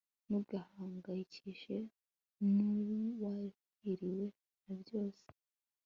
ntugahangayikishwe n'uwahiriwe na byose